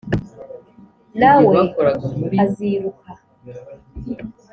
Nawe aziruka